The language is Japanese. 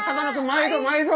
毎度毎度。